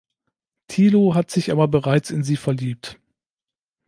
Thilo hat sich aber bereits in sie verliebt.